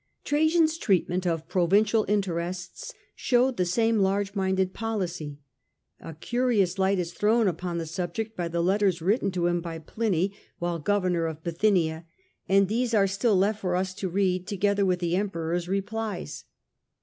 Trajan's treatment of provincial interests showed the same large minded policy. A curious light is thrown upon the subject by the letters written to him by Pliny while 22 The Age of the Antonines, a.d. governor of Bithynia, and these are still left for us to read, together with the Emperor^s replies.